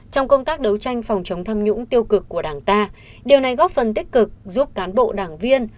trong công tác đấu tranh phòng chống tham nhũng tiêu cực của đảng ta điều này góp phần tích cực giúp cán bộ đảng viên